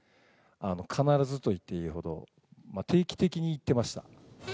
必ずと言っていいほど、定期的に行ってました。